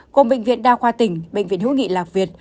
gồm bệnh viện đa khoa tỉnh bệnh viện hữu nghị lạc việt